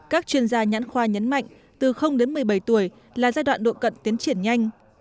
các chuyên gia nhãn khoa nhấn mạnh từ đến một mươi bảy tuổi là giai đoạn độ cận tiến triển nhanh